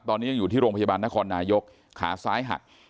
ตอนนี้ยังอยู่ที่โรงพยาบาลนครนายกขาซ้ายหัก